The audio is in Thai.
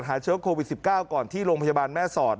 เชื้อโควิด๑๙ก่อนที่โรงพยาบาลแม่สอด